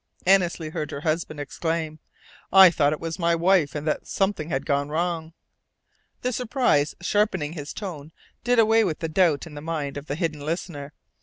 Annesley heard her husband exclaim. "I thought it was my wife, and that something had gone wrong." The surprise sharpening his tone did away with the doubt in the mind of the hidden listener.